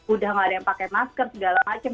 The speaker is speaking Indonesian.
udah gak ada yang pakai masker segala macam